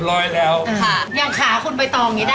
สวัสดีครับสวัสดีครับ